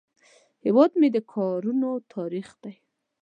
هیواد مې د کاروانو تاریخ دی